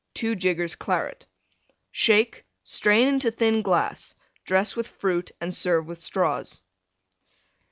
2 jiggers Claret. Shake; strain into thin glass; dress with Fruit and serve with Straws.